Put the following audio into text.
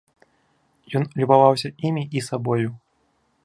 Ён любаваўся імі і сабою.